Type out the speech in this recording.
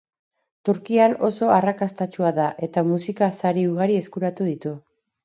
Turkian oso arrakastatsua da eta musika sari ugari eskuratu ditu.